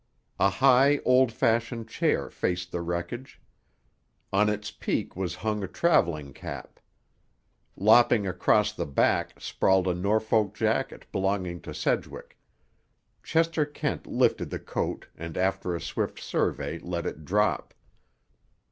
A high old fashioned chair faced the wreckage. On its peak was hung a traveling cap. Lopping across the back sprawled a Norfolk jacket belonging to Sedgwick. Chester Kent lifted the coat, and after a swift survey let it drop.